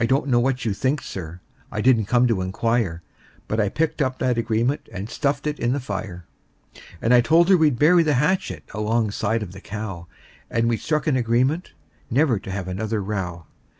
I don't know what you'll think, Sir I didn't come to inquire But I picked up that agreement and stuffed it in the fire; And I told her we'd bury the hatchet alongside of the cow; And we struck an agreement never to have another row.